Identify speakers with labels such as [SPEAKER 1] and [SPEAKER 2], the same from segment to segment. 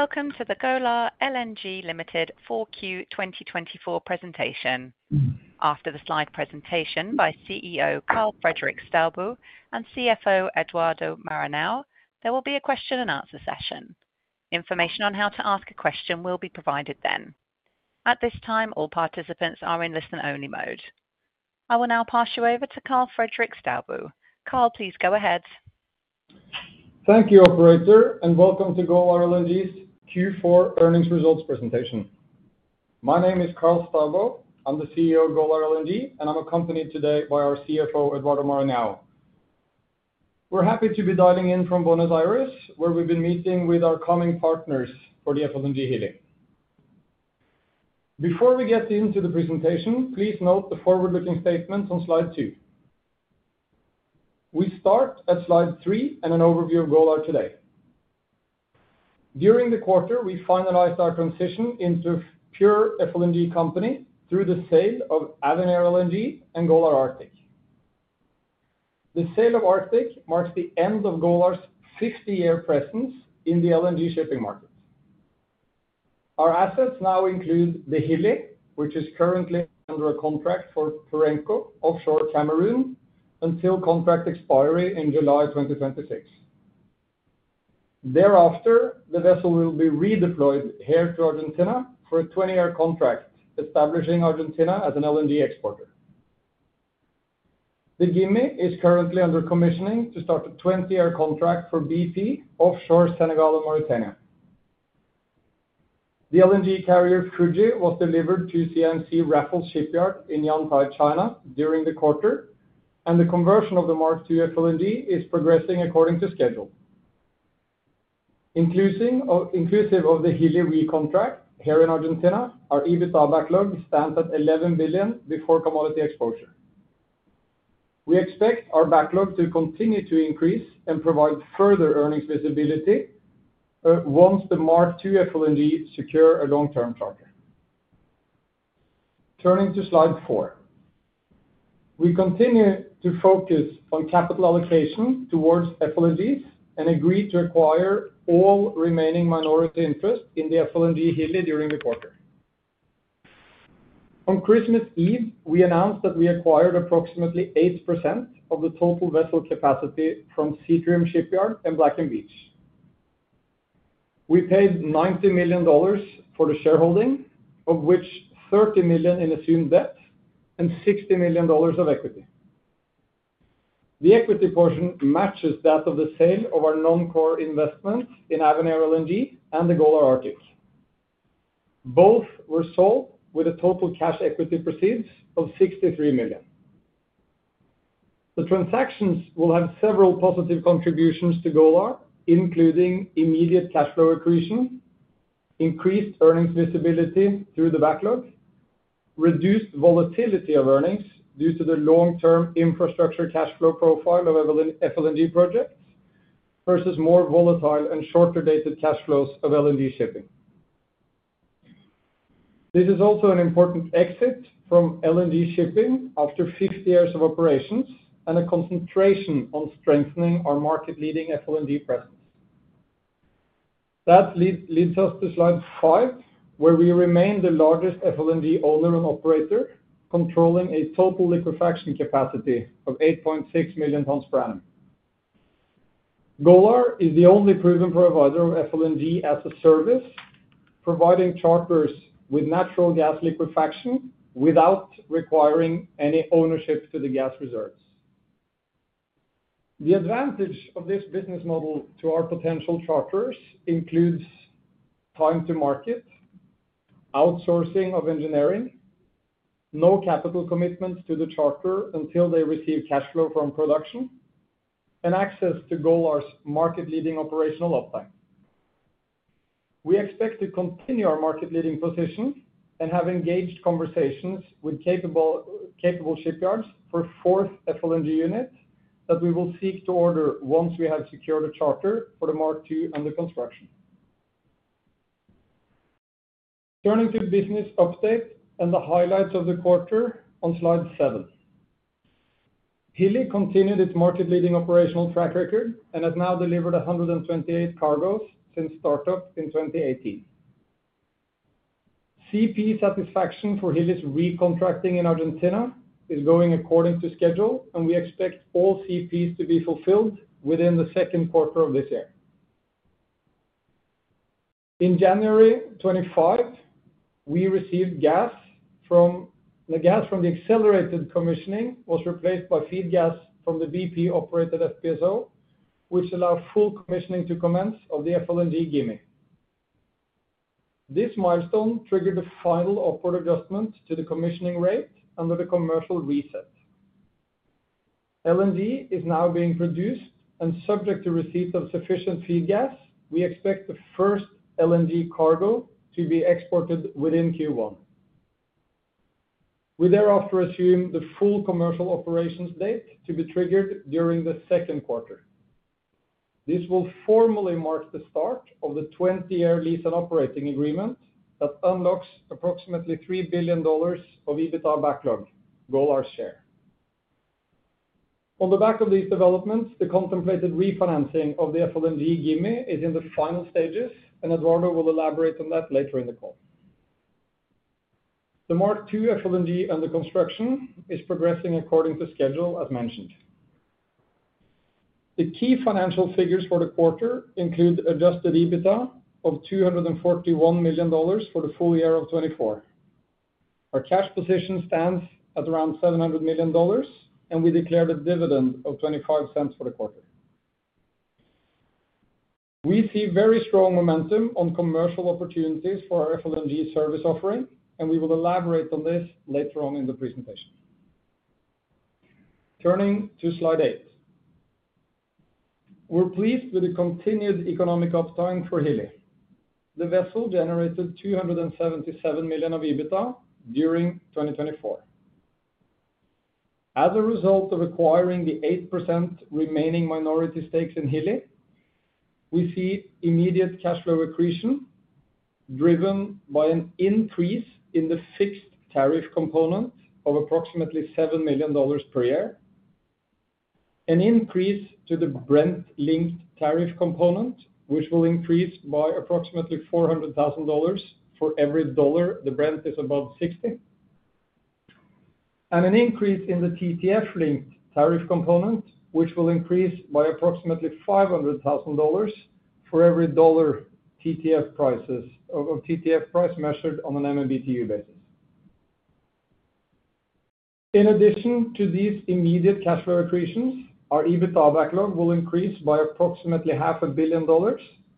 [SPEAKER 1] Welcome to the Golar LNG Limited 4Q 2024 presentation. After the slide presentation by CEO Karl Fredrik Staubo and CFO Eduardo Maranhão, there will be a question-and-answer session. Information on how to ask a question will be provided then. At this time, all participants are in listen-only mode. I will now pass you over to Karl Fredrik Staubo. Karl, please go ahead.
[SPEAKER 2] Thank you, Operator, and welcome to Golar LNG's Q4 Earnings Results Presentation. My name is Karl Staubo. I'm the CEO of Golar LNG, and I'm accompanied today by our CFO, Eduardo Maranhão. We're happy to be dialing in from Buenos Aires, where we've been meeting with our Argentine partners for the FLNG Hilli. Before we get into the presentation, please note the forward-looking statements on slide two. We start at slide three and an overview of Golar today. During the quarter, we finalized our transition into a pure FLNG company through the sale of Avenir LNG and Golar Arctic. The sale of Arctic marks the end of Golar's 50-year presence in the LNG shipping market. Our assets now include the Hilli, which is currently under a contract to remain offshore Cameroon until contract expiry in July 2026. Thereafter, the vessel will be redeployed here to Argentina for a 20-year contract, establishing Argentina as an LNG exporter. The Gimi is currently under commissioning to start a 20-year contract for BP Offshore Senegal and Mauritania. The LNG carrier Fuji was delivered to CIMC Raffles Shipyard in Yantai, China, during the quarter, and the conversion of the Mark II to FLNG is progressing according to schedule. Inclusive of the Hilli recontract here in Argentina, our EBITDA backlog stands at $11 billion before commodity exposure. We expect our backlog to continue to increase and provide further earnings visibility once the Mark II to FLNG secures a long-term charter. Turning to slide four, we continue to focus on capital allocation towards FLNGs and agreed to acquire all remaining minority interest in the FLNG Hilli during the quarter. On Christmas Eve, we announced that we acquired approximately 8% of the total vessel capacity from Seatrium Shipyard and Black & Veatch. We paid $90 million for the shareholding, of which $30 million in assumed debt and $60 million of equity. The equity portion matches that of the sale of our non-core investments in Avenir LNG and the Golar Arctic. Both were sold with a total cash equity proceeds of $63 million. The transactions will have several positive contributions to Golar, including immediate cash flow accretion, increased earnings visibility through the backlog, reduced volatility of earnings due to the long-term infrastructure cash flow profile of FLNG projects versus more volatile and shorter-dated cash flows of LNG shipping. This is also an important exit from LNG shipping after 50 years of operations and a concentration on strengthening our market-leading FLNG presence. That leads us to slide five, where we remain the largest FLNG owner and operator, controlling a total liquefaction capacity of 8.6 million tons per annum. Golar is the only proven provider of FLNG as a service, providing charters with natural gas liquefaction without requiring any ownership to the gas reserves. The advantage of this business model to our potential charters includes time to market, outsourcing of engineering, no capital commitments to the charter until they receive cash flow from production, and access to Golar's market-leading operational uptime. We expect to continue our market-leading position and have engaged conversations with capable shipyards for a fourth FLNG unit that we will seek to order once we have secured a charter for the Mark II under construction. Turning to business updates and the highlights of the quarter on slide seven, Hilli continued its market-leading operational track record and has now delivered 128 cargoes since startup in 2018. CP satisfaction for Hilli's recontracting in Argentina is going according to schedule, and we expect all CPs to be fulfilled within the second quarter of this year. In January 2025, the gas from the accelerated commissioning was replaced by feed gas from the BP operated FPSO, which allowed full commissioning to commence of the FLNG Gimi. This milestone triggered the final operator adjustment to the commissioning rate under the commercial reset. LNG is now being produced, subject to receipt of sufficient feed gas. We expect the first LNG cargo to be exported within Q1. We thereafter assume the full commercial operations date to be triggered during the second quarter. This will formally mark the start of the 20-year lease and operating agreement that unlocks approximately $3 billion of EBITDA backlog, Golar's share. On the back of these developments, the contemplated refinancing of the FLNG Gimi is in the final stages, and Eduardo will elaborate on that later in the call. The Mark II FLNG under construction is progressing according to schedule, as mentioned. The key financial figures for the quarter include adjusted EBITDA of $241 million for the full year of 2024. Our cash position stands at around $700 million, and we declared a dividend of $0.25 for the quarter. We see very strong momentum on commercial opportunities for our FLNG service offering, and we will elaborate on this later on in the presentation. Turning to slide eight, we're pleased with the continued economic uptime for Hilli. The vessel generated $277 million of EBITDA during 2024. As a result of acquiring the 8% remaining minority stakes in Hilli, we see immediate cash flow accretion driven by an increase in the fixed tariff component of approximately $7 million per year, an increase to the Brent-linked tariff component, which will increase by approximately $400,000 for every dollar the Brent is above 60, and an increase in the TTF-linked tariff component, which will increase by approximately $500,000 for every dollar TTF price measured on an MMBtu basis. In addition to these immediate cash flow accretions, our EBITDA backlog will increase by approximately $500 million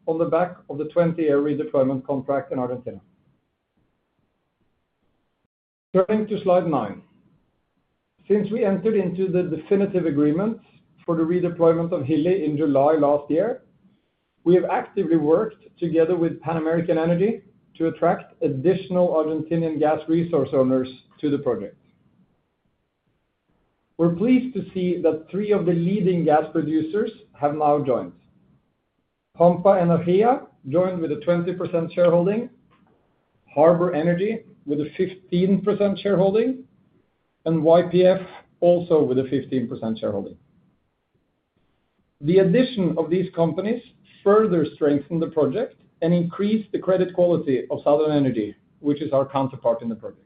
[SPEAKER 2] on the back of the 20-year redeployment contract in Argentina. Turning to slide nine, since we entered into the definitive agreement for the redeployment of Hilli in July last year, we have actively worked together with Pan American Energy to attract additional Argentinian gas resource owners to the project. We're pleased to see that three of the leading gas producers have now joined: Pampa Energía, joined with a 20% shareholding; Harbour Energy, with a 15% shareholding; and YPF, also with a 15% shareholding. The addition of these companies further strengthened the project and increased the credit quality of Southern Energy, which is our counterpart in the project.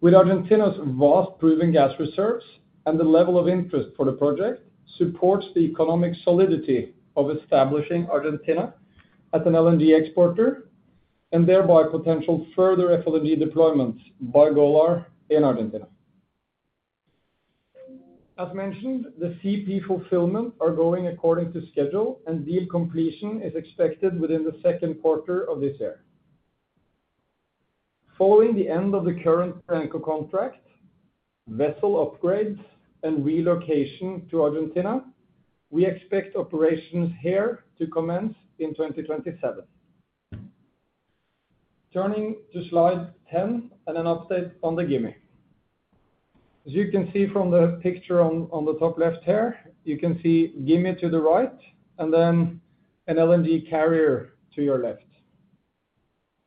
[SPEAKER 2] With Argentina's vast proven gas reserves and the level of interest for the project supports the economic solidity of establishing Argentina as an LNG exporter and thereby potential further FLNG deployments by Golar in Argentina. As mentioned, the CP fulfillments are going according to schedule, and deal completion is expected within the second quarter of this year. Following the end of the current Perenco contract, vessel upgrades, and relocation to Argentina, we expect operations here to commence in 2027. Turning to slide 10 and an update on the Gimi. As you can see from the picture on the top left here, you can see Gimi to the right and then an LNG carrier to your left.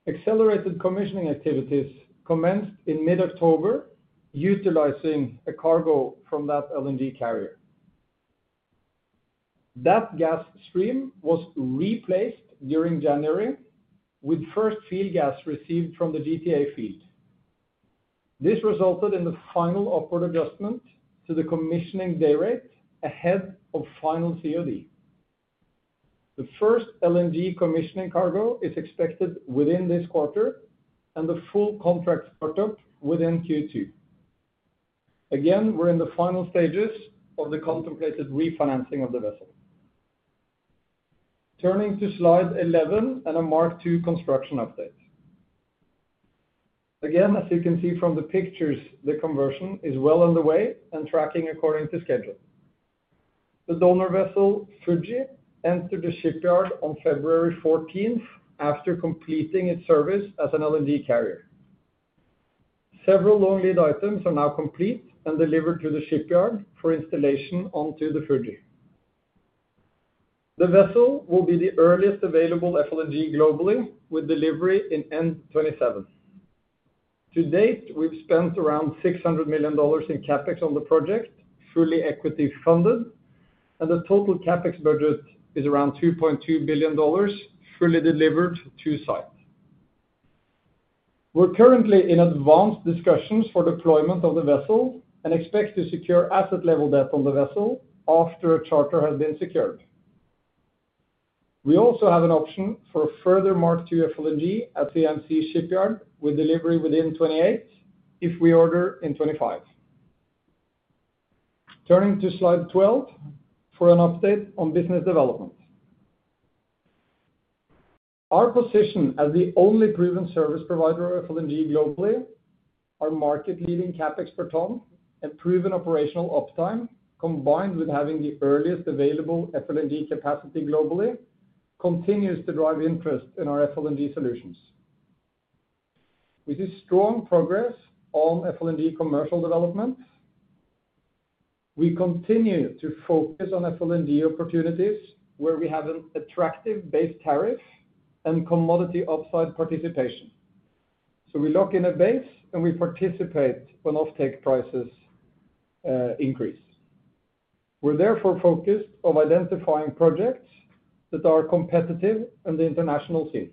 [SPEAKER 2] Accelerated commissioning activities commenced in mid-October, utilizing a cargo from that LNG carrier. That gas stream was replaced during January, with first field gas received from the GTA field. This resulted in the final operator adjustment to the commissioning day rate ahead of final COD. The first LNG commissioning cargo is expected within this quarter and the full contract startup within Q2. Again, we're in the final stages of the contemplated refinancing of the vessel. Turning to slide 11 and a Mark II construction update. Again, as you can see from the pictures, the conversion is well underway and tracking according to schedule. The donor vessel Fuji entered the shipyard on February 14th after completing its service as an LNG carrier. Several long lead items are now complete and delivered to the shipyard for installation onto the Fuji. The vessel will be the earliest available FLNG globally, with delivery in end 2027. To date, we've spent around $600 million in CapEx on the project, fully equity funded, and the total CapEx budget is around $2.2 billion, fully delivered to site. We're currently in advanced discussions for deployment of the vessel and expect to secure asset level debt on the vessel after a charter has been secured. We also have an option for a further Mark II FLNG at CIMC Raffles with delivery within 2028 if we order in 2025. Turning to slide 12 for an update on business development. Our position as the only proven service provider of FLNG globally, our market-leading CapEx per ton and proven operational uptime, combined with having the earliest available FLNG capacity globally, continues to drive interest in our FLNG solutions. We see strong progress on FLNG commercial development. We continue to focus on FLNG opportunities where we have an attractive base tariff and commodity upside participation. So we lock in a base and we participate when offtake prices increase. We're therefore focused on identifying projects that are competitive in the international scene.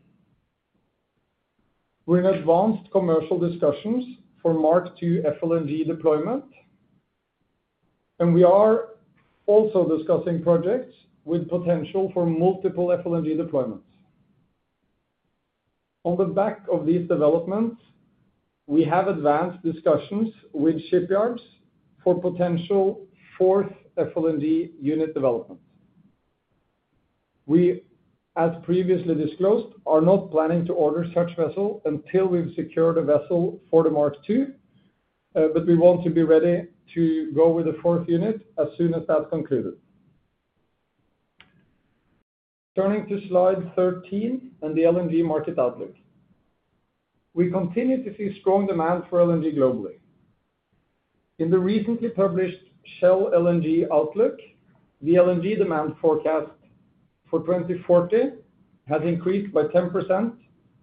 [SPEAKER 2] We're in advanced commercial discussions for Mark II FLNG deployment, and we are also discussing projects with potential for multiple FLNG deployments. On the back of these developments, we have advanced discussions with shipyards for potential fourth FLNG unit development. We, as previously disclosed, are not planning to order such vessel until we've secured a vessel for the Mark II, but we want to be ready to go with the fourth unit as soon as that's concluded. Turning to slide 13 and the LNG market outlook. We continue to see strong demand for LNG globally. In the recently published Shell LNG outlook, the LNG demand forecast for 2040 has increased by 10%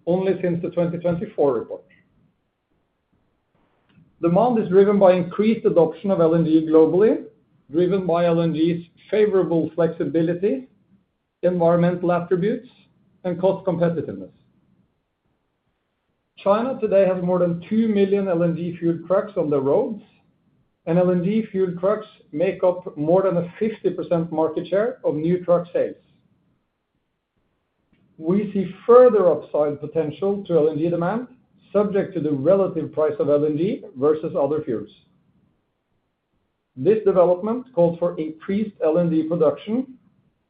[SPEAKER 2] only since the 2024 report. Demand is driven by increased adoption of LNG globally, driven by LNG's favorable flexibility, environmental attributes, and cost competitiveness. China today has more than 2 million LNG fuel trucks on the roads, and LNG fuel trucks make up more than a 50% market share of new truck sales. We see further upside potential to LNG demand, subject to the relative price of LNG versus other fuels. This development calls for increased LNG production,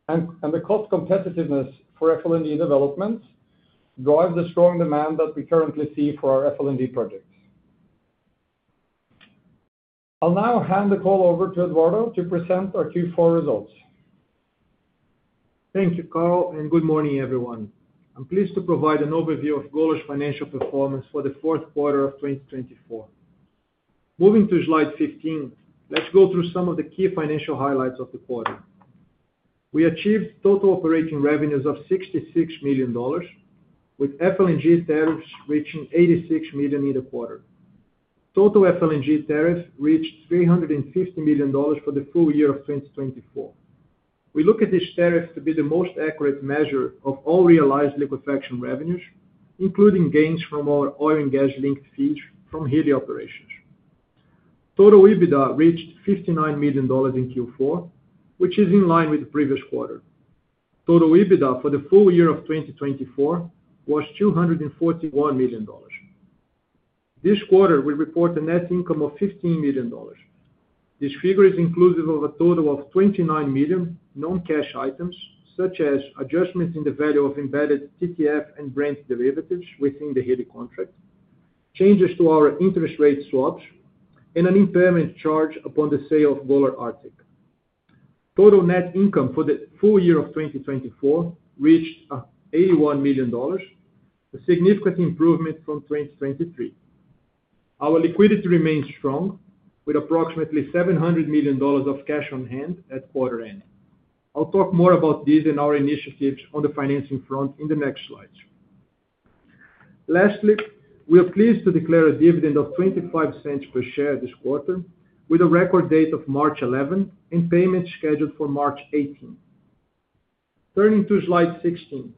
[SPEAKER 2] and the cost competitiveness for FLNG developments drives the strong demand that we currently see for our FLNG projects. I'll now hand the call over to Eduardo to present our Q4 results.
[SPEAKER 3] Thank you, Karl, and good morning, everyone. I'm pleased to provide an overview of Golar's financial performance for the fourth quarter of 2024. Moving to slide 15, let's go through some of the key financial highlights of the quarter. We achieved total operating revenues of $66 million, with FLNG tariffs reaching $86 million each quarter. Total FLNG tariff reached $350 million for the full year of 2024. We look at these tariffs to be the most accurate measure of all realized liquefaction revenues, including gains from our oil and gas linked fees from Hilli operations. Total EBITDA reached $59 million in Q4, which is in line with the previous quarter. Total EBITDA for the full year of 2024 was $241 million. This quarter, we report a net income of $15 million. This figure is inclusive of a total of $29 million non-cash items, such as adjustments in the value of embedded TTF and Brent derivatives within the Hilli contract, changes to our interest rate swaps, and an impairment charge upon the sale of Golar Arctic. Total net income for the full year of 2024 reached $81 million, a significant improvement from 2023. Our liquidity remains strong, with approximately $700 million of cash on hand at quarter end. I'll talk more about these and our initiatives on the financing front in the next slides. Lastly, we are pleased to declare a dividend of $0.25 per share this quarter, with a record date of March 11 and payments scheduled for March 18. Turning to slide 16,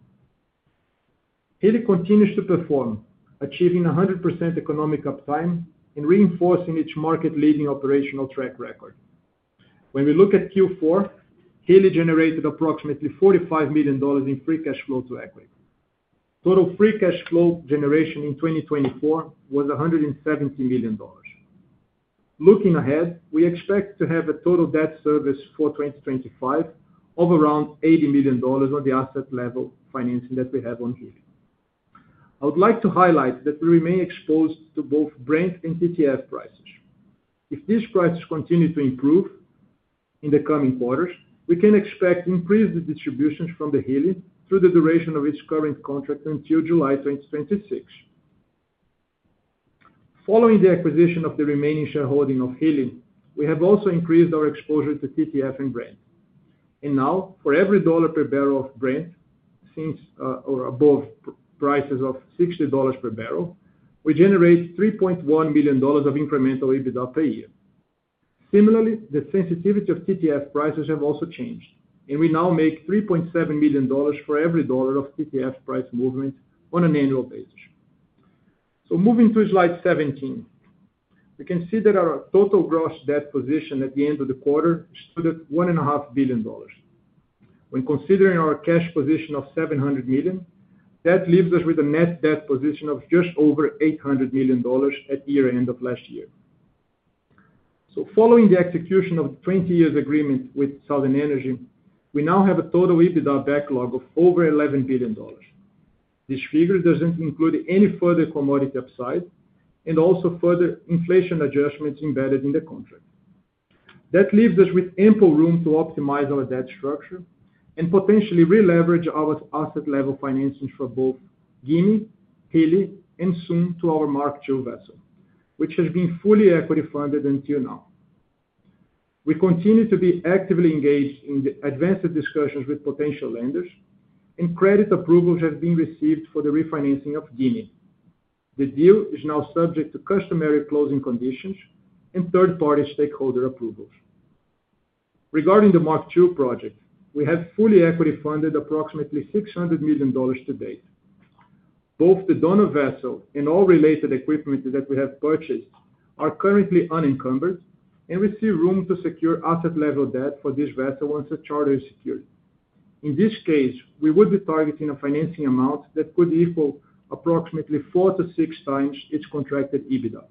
[SPEAKER 3] Hilli continues to perform, achieving 100% economic uptime and reinforcing its market-leading operational track record. When we look at Q4, Hilli generated approximately $45 million in free cash flow to equity. Total free cash flow generation in 2024 was $170 million. Looking ahead, we expect to have a total debt service for 2025 of around $80 million on the asset level financing that we have on Hilli. I would like to highlight that we remain exposed to both Brent and TTF prices. If these prices continue to improve in the coming quarters, we can expect increased distributions from the Hilli through the duration of its current contract until July 2026. Following the acquisition of the remaining shareholding of Hilli, we have also increased our exposure to TTF and Brent. Now, for every dollar per barrel of Brent or above prices of $60 per barrel, we generate $3.1 million of incremental EBITDA per year. Similarly, the sensitivity of TTF prices have also changed, and we now make $3.7 million for every dollar of TTF price movement on an annual basis. Moving to slide 17, we can see that our total gross debt position at the end of the quarter stood at $1.5 billion. When considering our cash position of $700 million, that leaves us with a net debt position of just over $800 million at year-end of last year. Following the execution of the 20-year agreement with Southern Energy, we now have a total EBITDA backlog of over $11 billion. This figure doesn't include any further commodity upside and also further inflation adjustments embedded in the contract. That leaves us with ample room to optimize our debt structure and potentially re-leverage our asset level financing for both Gimi, Hilli, and soon to our Mark II vessel, which has been fully equity funded until now. We continue to be actively engaged in advanced discussions with potential lenders, and credit approvals have been received for the refinancing of Gimi. The deal is now subject to customary closing conditions and third-party stakeholder approvals. Regarding the Mark II project, we have fully equity funded approximately $600 million to date. Both the donor vessel and all related equipment that we have purchased are currently unencumbered and leave room to secure asset level debt for this vessel once a charter is secured. In this case, we would be targeting a financing amount that could equal approximately four to six times its contracted EBITDA.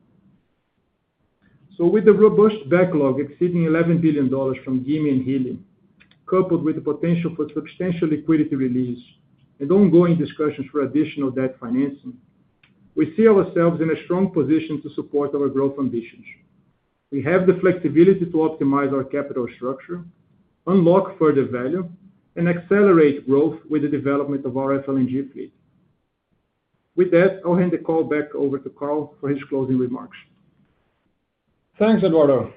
[SPEAKER 3] With the robust backlog exceeding $11 billion from Gimi and Hilli, coupled with the potential for substantial liquidity release and ongoing discussions for additional debt financing, we see ourselves in a strong position to support our growth ambitions. We have the flexibility to optimize our capital structure, unlock further value, and accelerate growth with the development of our FLNG fleet. With that, I'll hand the call back over to Karl for his closing remarks. Thanks, Eduardo.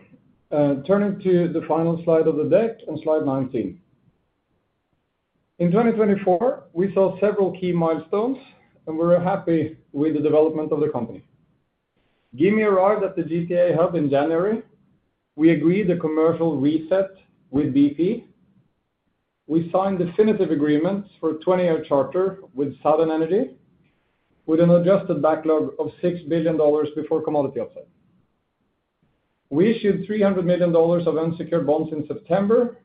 [SPEAKER 3] Turning to the final slide of the deck and slide 19. In 2024, we saw several key milestones, and we were happy with the development of the company. Gimi arrived at the GTA hub in January. We agreed a commercial reset with BP. We signed definitive agreements for a 20-year charter with Southern Energy, with an adjusted backlog of $6 billion before commodity upside. We issued $300 million of unsecured bonds in September.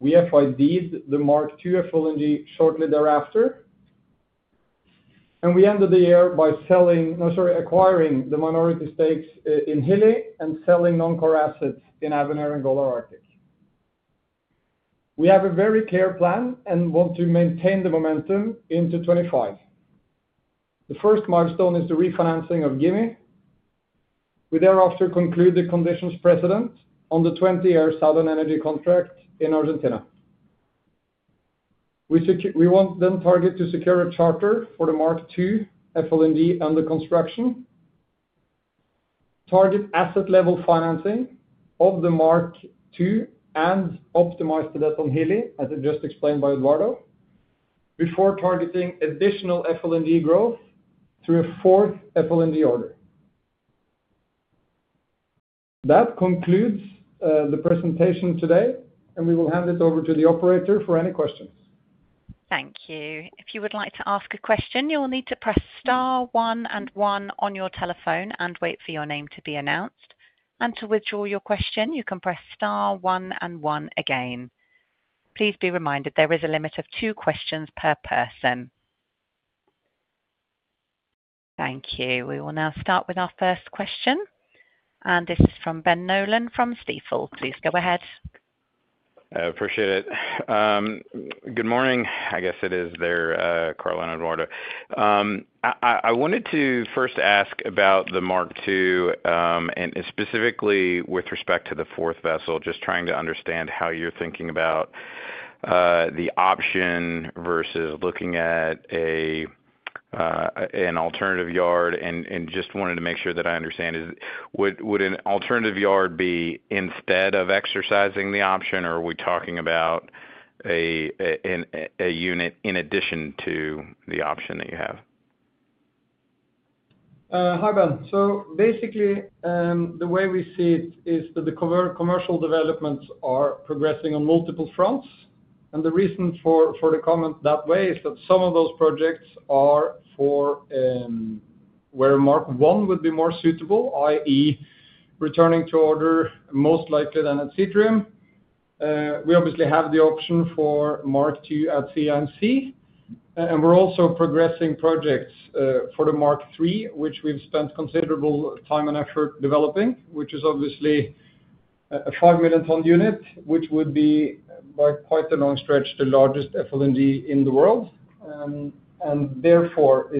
[SPEAKER 3] We FIDed the Mark II FLNG shortly thereafter, and we ended the year by selling, no, sorry, acquiring the minority stakes in Hilli and selling non-core assets in Avenir and Golar Arctic. We have a very clear plan and want to maintain the momentum into 2025. The first milestone is the refinancing of Gimi. We thereafter conclude the conditions precedent on the 20-year Southern Energy contract in Argentina. We want then target to secure a charter for the Mark II FLNG under construction, target asset level financing of the Mark II, and optimize the debt on Hilli, as it was just explained by Eduardo, before targeting additional FLNG growth through a fourth FLNG order. That concludes the presentation today, and we will hand it over to the operator for any questions. Thank you.
[SPEAKER 1] If you would like to ask a question, you'll need to press star, one, and one on your telephone and wait for your name to be announced. And to withdraw your question, you can press star, one, and one again. Please be reminded there is a limit of two questions per person. Thank you. We will now start with our first question, and this is from Ben Nolan from Stifel. Please go ahead.
[SPEAKER 4] Appreciate it. Good morning. I guess it is morning there, Karl and Eduardo. I wanted to first ask about the Mark II and specifically with respect to the fourth vessel, just trying to understand how you're thinking about the option versus looking at an alternative yard and just wanted to make sure that I understand. Would an alternative yard be instead of exercising the option, or are we talking about a unit in addition to the option that you have?
[SPEAKER 2] Hi Ben. So basically, the way we see it is that the commercial developments are progressing on multiple fronts. And the reason for the comment that way is that some of those projects are for where Mark I would be more suitable, i.e., returning to order most likely than at Seatrium. We obviously have the option for Mark II at CIMC, and we're also progressing projects for the Mark III, which we've spent considerable time and effort developing, which is obviously a 5 million ton unit, which would be by quite a long stretch the largest FLNG in the world. And therefore,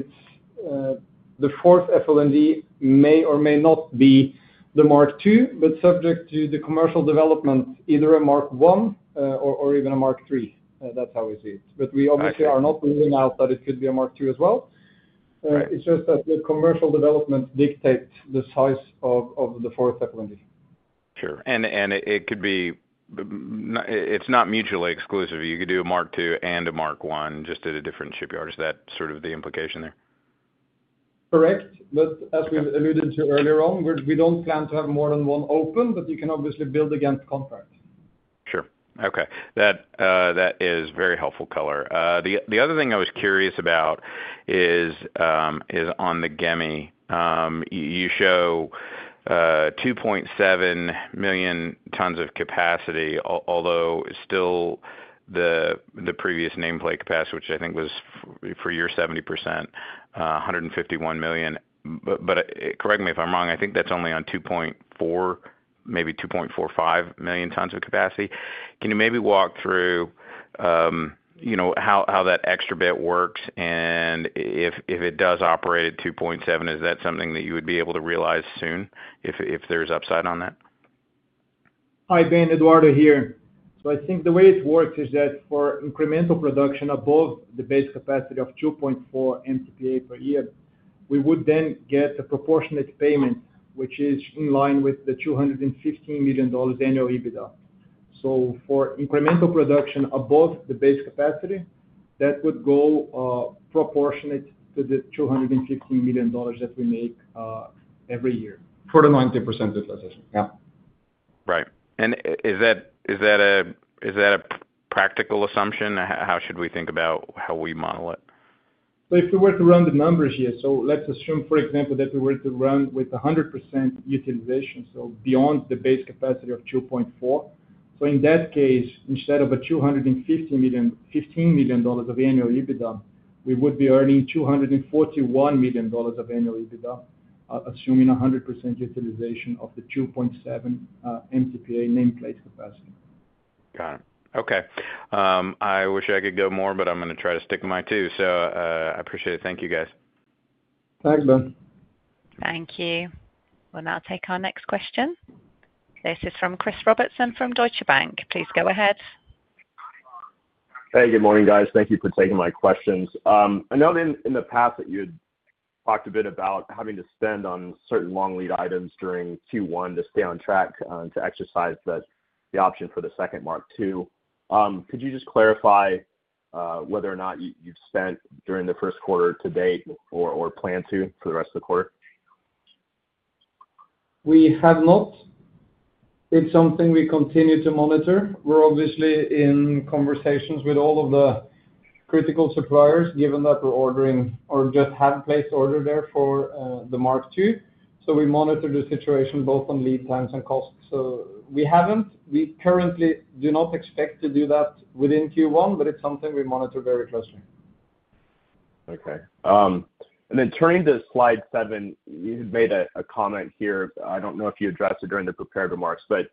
[SPEAKER 2] the fourth FLNG may or may not be the Mark II, but subject to the commercial development, either a Mark I or even a Mark III. That's how we see it. But we obviously are not ruling out that it could be a Mark II as well. It's just that the commercial development dictates the size of the fourth FLNG.
[SPEAKER 4] Sure. And it could be. It's not mutually exclusive. You could do a Mark II and a Mark I just at a different shipyard. Is that sort of the implication there?
[SPEAKER 2] Correct. But as we alluded to earlier on, we don't plan to have more than one open, but you can obviously build against contract.
[SPEAKER 4] Sure. Okay. That is very helpful, Karl. The other thing I was curious about is on the Gimi. You show 2.7 million tons of capacity, although still the previous nameplate capacity, which I think was for your 70%, $151 million. But correct me if I'm wrong. I think that's only on 2.4, maybe 2.45 million tons of capacity. Can you maybe walk through how that extra bit works? And if it does operate at 2.7, is that something that you would be able to realize soon if there's upside on that?
[SPEAKER 3] Hi, Ben. Eduardo here. So I think the way it works is that for incremental production above the base capacity of 2.4 MTPA per year, we would then get a proportionate payment, which is in line with the $215 million annual EBITDA. So for incremental production above the base capacity, that would go proportionate to the $215 million that we make every year. For the 90% utilization. Yeah.
[SPEAKER 4] Right. And is that a practical assumption? How should we think about how we model it?
[SPEAKER 3] So if we were to run the numbers here, so let's assume, for example, that we were to run with 100% utilization, so beyond the base capacity of 2.4. So in that case, instead of a $215 million of annual EBITDA, we would be earning $241 million of annual EBITDA, assuming 100% utilization of the 2.7 MTPA nameplate capacity.
[SPEAKER 4] Got it. Okay. I wish I could go more, but I'm going to try to stick to my two. So I appreciate it. Thank you, guys.
[SPEAKER 2] Thanks, Ben.
[SPEAKER 1] Thank you. We'll now take our next question. This is from Chris Robertson from Deutsche Bank. Please go ahead.
[SPEAKER 5] Hey, good morning, guys. Thank you for taking my questions. I know in the past that you had talked a bit about having to spend on certain long lead items during Q1 to stay on track to exercise the option for the second Mark II. Could you just clarify whether or not you've spent during the first quarter to date or plan to for the rest of the quarter?
[SPEAKER 2] We have not. It's something we continue to monitor. We're obviously in conversations with all of the critical suppliers, given that we're ordering or just have placed orders there for the Mark II. So we monitor the situation both on lead times and costs. So we haven't. We currently do not expect to do that within Q1, but it's something we monitor very closely.
[SPEAKER 5] Okay. And then turning to slide seven, you had made a comment here. I don't know if you addressed it during the prepared remarks, but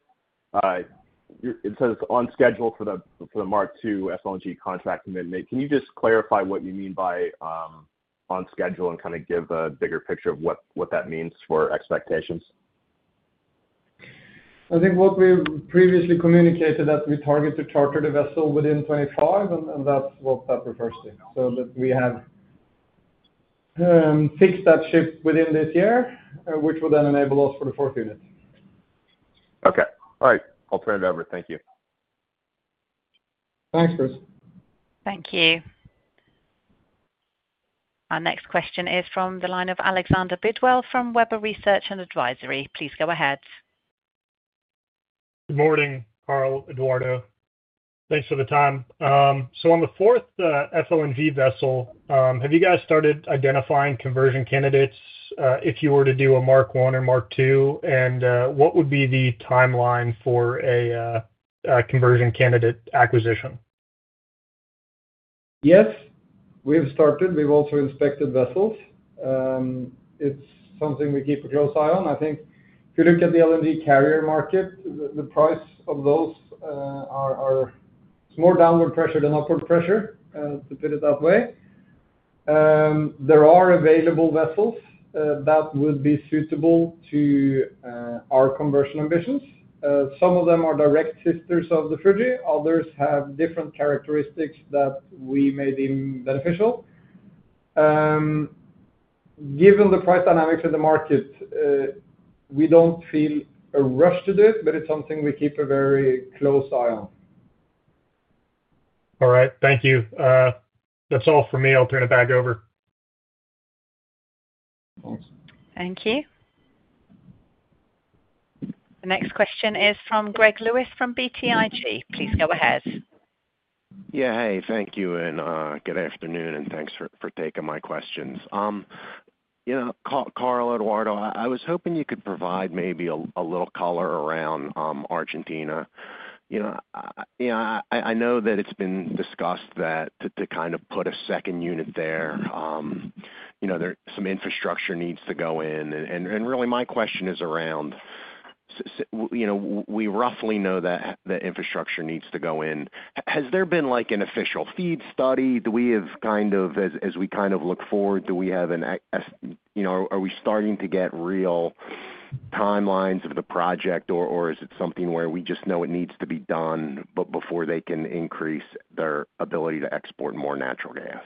[SPEAKER 5] it says on schedule for the Mark II FLNG contract commitment. Can you just clarify what you mean by on schedule and kind of give a bigger picture of what that means for expectations?
[SPEAKER 2] I think what we previously communicated that we target to charter the vessel within 2025, and that's what that refers to. So that we have fixed that ship within this year, which will then enable us for the fourth unit.
[SPEAKER 5] Okay. All right. I'll turn it over. Thank you.
[SPEAKER 2] Thanks, Chris.
[SPEAKER 1] Thank you. Our next question is from the line of Alexander Bidwell from Webber Research & Advisory. Please go ahead.
[SPEAKER 6] Good morning, Karl, Eduardo. Thanks for the time. So on the fourth FLNG vessel, have you guys started identifying conversion candidates if you were to do a Mark I or Mark II? And what would be the timeline for a conversion candidate acquisition?
[SPEAKER 2] Yes, we have started. We've also inspected vessels. It's something we keep a close eye on. I think if you look at the LNG carrier market, the price of those is more downward pressure than upward pressure, to put it that way. There are available vessels that would be suitable to our conversion ambitions. Some of them are direct sisters of the Fuji. Others have different characteristics that we may deem beneficial. Given the price dynamics in the market, we don't feel a rush to do it, but it's something we keep a very close eye on.
[SPEAKER 6] All right. Thank you. That's all for me. I'll turn it back over.
[SPEAKER 2] Thanks.
[SPEAKER 1] Thank you. The next question is from Greg Lewis from BTIG. Please go ahead.
[SPEAKER 7] Yeah. Hey, thank you. And good afternoon, and thanks for taking my questions. Karl, Eduardo, I was hoping you could provide maybe a little color around Argentina. I know that it's been discussed that to kind of put a second unit there, some infrastructure needs to go in. And really, my question is around. We roughly know that the infrastructure needs to go in. Has there been an official FEED study? Do we have kind of, as we kind of look forward, do we have or are we starting to get real timelines of the project, or is it something where we just know it needs to be done before they can increase their ability to export more natural gas?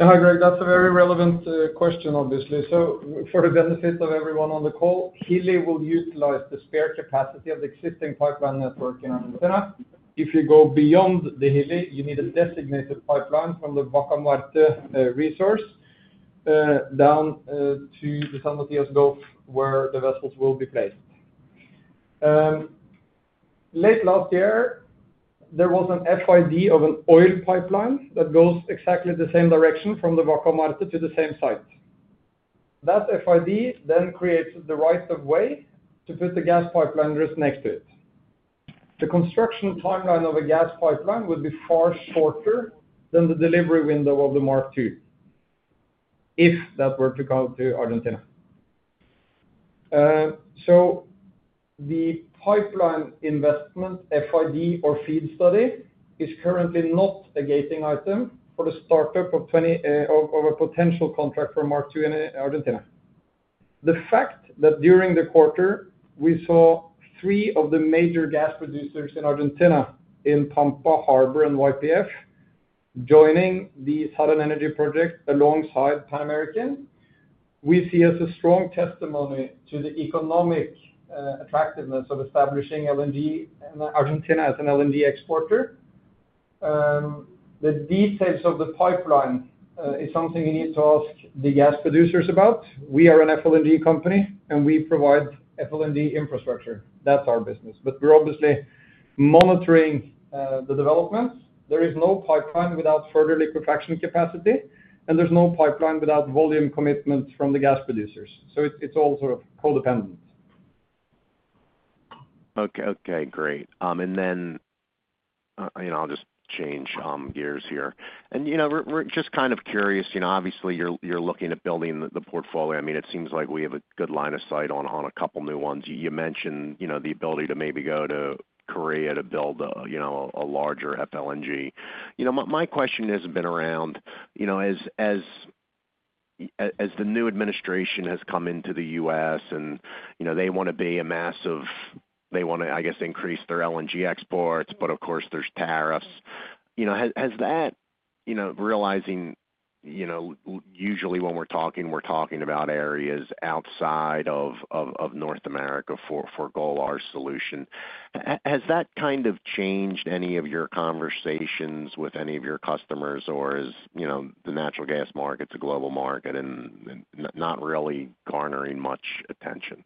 [SPEAKER 2] Hi, Greg. That's a very relevant question, obviously. So for the benefit of everyone on the call, Hilli will utilize the spare capacity of the existing pipeline network in Argentina. If you go beyond the Hilli, you need a designated pipeline from the Vaca Muerta resource down to the San Matías Gulf where the vessels will be placed. Late last year, there was an FID of an oil pipeline that goes exactly the same direction from the Vaca Muerta to the same site. That FID then creates the right-of-way to put the gas pipeline just next to it. The construction timeline of a gas pipeline would be far shorter than the delivery window of the Mark II if that were to come to Argentina. So the pipeline investment FID or FEED study is currently not a gating item for the startup of a potential contract for Mark II in Argentina. The fact that during the quarter, we saw three of the major gas producers in Argentina, Pampa, Harbour, and YPF, joining the Southern Energy project alongside Pan American we see as a strong testimony to the economic attractiveness of establishing LNG in Argentina as an LNG exporter. The details of the pipeline is something you need to ask the gas producers about. We are an FLNG company, and we provide FLNG infrastructure. That's our business. But we're obviously monitoring the developments. There is no pipeline without further liquefaction capacity, and there's no pipeline without volume commitments from the gas producers. So it's all sort of co-dependent.
[SPEAKER 7] Okay. Okay. Great, and then I'll just change gears here, and we're just kind of curious. Obviously, you're looking at building the portfolio. I mean, it seems like we have a good line of sight on a couple of new ones. You mentioned the ability to maybe go to Korea to build a larger FLNG. My question has been around as the new administration has come into the U.S., and they want to be a massive they want to, I guess, increase their LNG exports, but of course, there's tariffs. Has that realization usually when we're talking, we're talking about areas outside of North America for Golar solutions. Has that kind of changed any of your conversations with any of your customers, or is the natural gas market a global market and not really garnering much attention?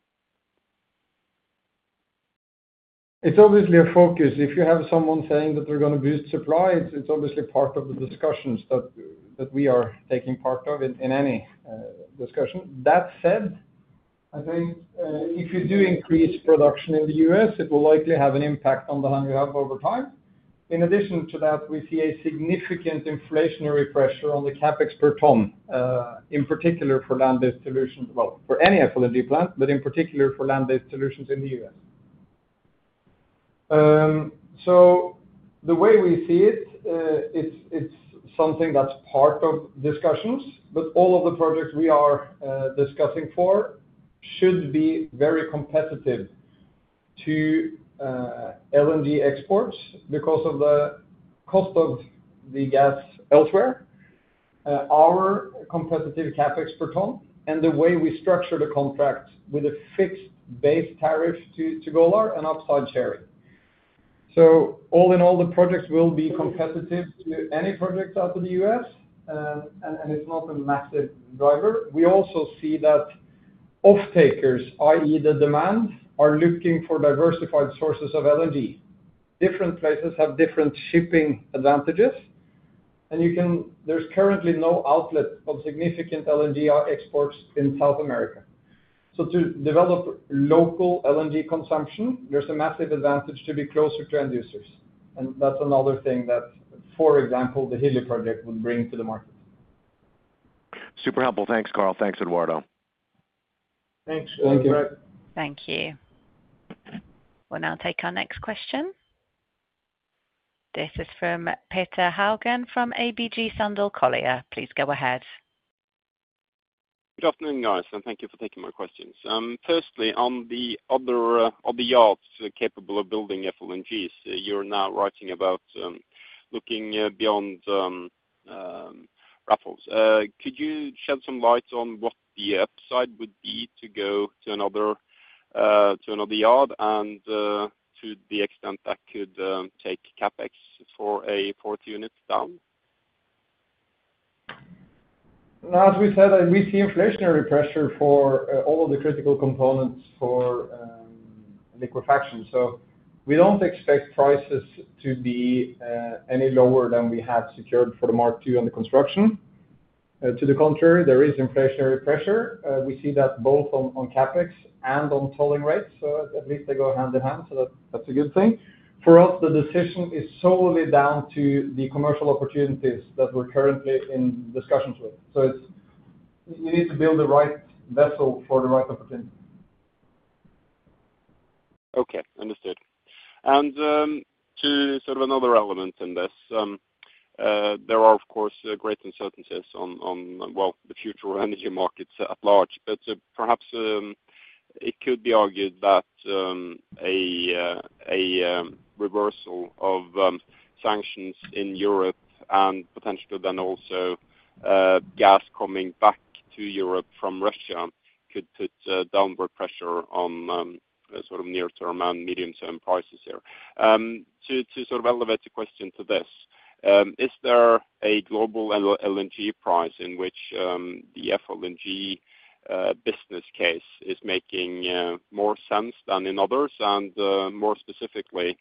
[SPEAKER 2] It's obviously a focus. If you have someone saying that we're going to boost supply, it's obviously part of the discussions that we are taking part of in any discussion. That said, I think if you do increase production in the U.S., it will likely have an impact on the land we have over time. In addition to that, we see a significant inflationary pressure on the CapEx per ton, in particular for land-based solutions, well, for any FLNG plant, but in particular for land-based solutions in the U.S. So the way we see it, it's something that's part of discussions, but all of the projects we are discussing for should be very competitive to LNG exports because of the cost of the gas elsewhere, our competitive CapEx per ton, and the way we structure the contract with a fixed base tariff to Golar and upside sharing. So all in all, the projects will be competitive to any projects out of the U.S., and it's not a massive driver. We also see that off-takers, i.e., the demand, are looking for diversified sources of LNG. Different places have different shipping advantages, and there's currently no outlet of significant LNG exports in South America. So to develop local LNG consumption, there's a massive advantage to be closer to end users. And that's another thing that, for example, the Hilli project would bring to the market.
[SPEAKER 7] Super helpful. Thanks, Karl. Thanks, Eduardo.
[SPEAKER 2] Thanks.
[SPEAKER 3] Thank you.
[SPEAKER 1] Thank you. We'll now take our next question. This is from Petter Haugen from ABG Sundal Collier. Please go ahead.
[SPEAKER 8] Good afternoon, guys, and thank you for taking my questions. Firstly, on the other yards capable of building FLNGs, you're now writing about looking beyond Raffles. Could you shed some light on what the upside would be to go to another yard and to the extent that could take capex for a fourth unit down?
[SPEAKER 2] As we said, we see inflationary pressure for all of the critical components for liquefaction. So we don't expect prices to be any lower than we have secured for the Mark II and the construction. To the contrary, there is inflationary pressure. We see that both on CapEx and on tolling rates. So at least they go hand in hand, so that's a good thing. For us, the decision is solely down to the commercial opportunities that we're currently in discussions with. So you need to build the right vessel for the right opportunity.
[SPEAKER 8] Okay. Understood. And to sort of another element in this, there are, of course, great uncertainties on, well, the future of energy markets at large. But perhaps it could be argued that a reversal of sanctions in Europe and potentially then also gas coming back to Europe from Russia could put downward pressure on sort of near-term and medium-term prices here. To sort of elevate the question to this, is there a global LNG price in which the FLNG business case is making more sense than in others? And more specifically,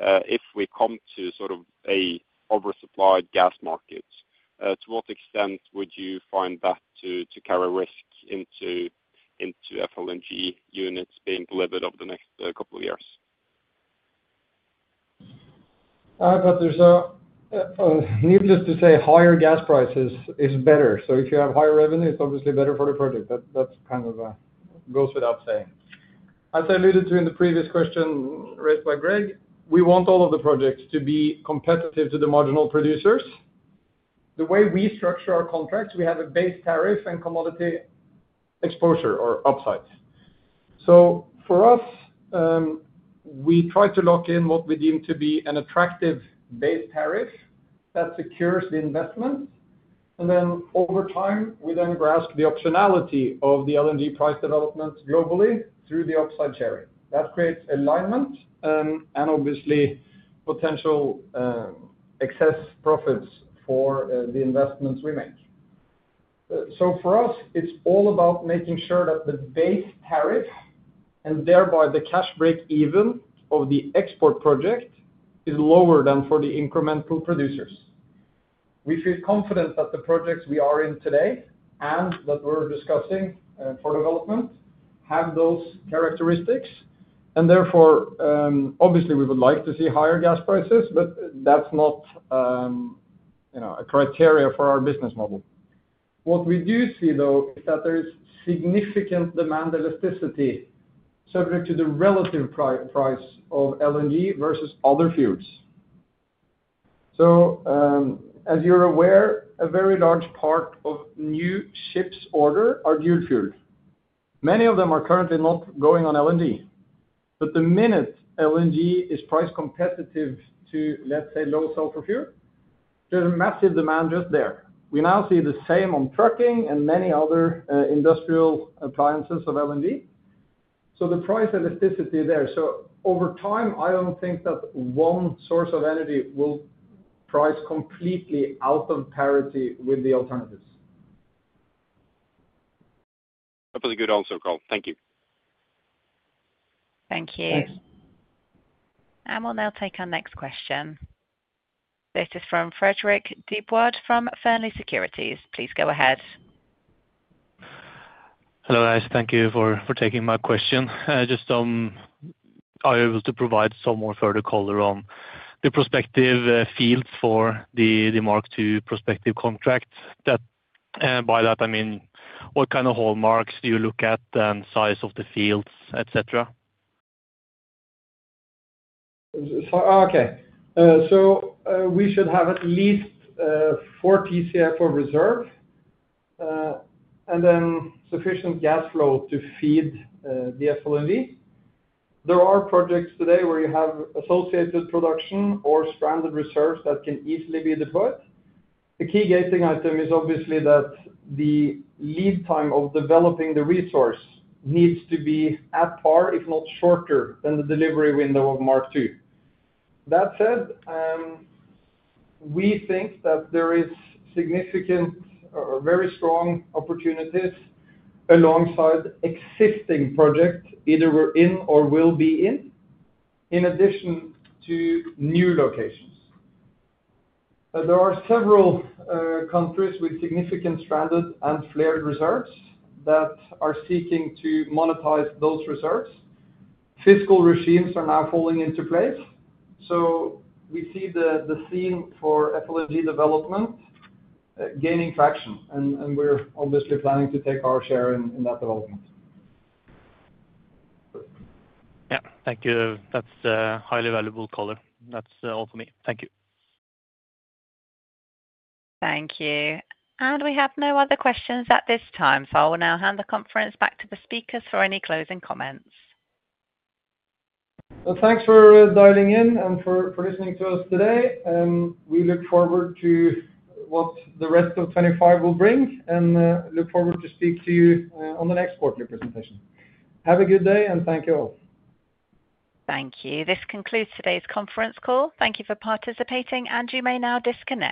[SPEAKER 8] if we come to sort of an oversupplied gas market, to what extent would you find that to carry risk into FLNG units being delivered over the next couple of years?
[SPEAKER 2] I bet there's needless to say, higher gas prices is better. So if you have higher revenue, it's obviously better for the project. That kind of goes without saying. As I alluded to in the previous question raised by Greg, we want all of the projects to be competitive to the marginal producers. The way we structure our contracts, we have a base tariff and commodity exposure or upsides. So for us, we try to lock in what we deem to be an attractive base tariff that secures the investment. And then over time, we then grasp the optionality of the LNG price development globally through the upside sharing. That creates alignment and obviously potential excess profits for the investments we make. So for us, it's all about making sure that the base tariff and thereby the cash breakeven of the export project is lower than for the incremental producers. We feel confident that the projects we are in today and that we're discussing for development have those characteristics. And therefore, obviously, we would like to see higher gas prices, but that's not a criteria for our business model. What we do see, though, is that there is significant demand elasticity subject to the relative price of LNG versus other fuels. So as you're aware, a very large part of new ships order are geared fuel. Many of them are currently not going on LNG. But the minute LNG is price competitive to, let's say, low sulfur fuel, there's a massive demand just there. We now see the same on trucking and many other industrial appliances of LNG. So the price elasticity there. So over time, I don't think that one source of energy will price completely out of parity with the alternatives.
[SPEAKER 8] That was a good answer, Karl. Thank you.
[SPEAKER 1] Thank you. And we'll now take our next question. This is from Fredrik Dybwad from Fearnley Securities.
[SPEAKER 9] Please go ahead. Hello, guys. Thank you for taking my question. Just are you able to provide some more further color on the prospective fields for the Mark II prospective contract? By that, I mean, what kind of hallmarks do you look at and size of the fields, etc.?
[SPEAKER 2] Okay. So we should have at least 40 TCF reserves and then sufficient gas flow to feed the FLNG. There are projects today where you have associated production or stranded reserves that can easily be deployed. The key gating item is obviously that the lead time of developing the resource needs to be at par, if not shorter than the delivery window of Mark II. That said, we think that there is significant or very strong opportunities alongside existing projects either we're in or will be in, in addition to new locations. There are several countries with significant stranded and flared reserves that are seeking to monetize those reserves. Fiscal regimes are now falling into place. So we set the scene for FLNG development gaining traction, and we're obviously planning to take our share in that development.
[SPEAKER 9] Yeah. Thank you. That's highly valuable color. That's all for me. Thank you.
[SPEAKER 1] Thank you. And we have no other questions at this time. So I will now hand the conference back to the speakers for any closing comments.
[SPEAKER 2] Thanks for dialing in and for listening to us today. We look forward to what the rest of 2025 will bring and look forward to speaking to you on the next quarterly presentation. Have a good day, and thank you all.
[SPEAKER 1] Thank you. This concludes today's conference call. Thank you for participating, and you may now disconnect.